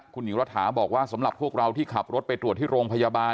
คุณหญิงรัฐาบอกว่าสำหรับพวกเราที่ขับรถไปตรวจที่โรงพยาบาล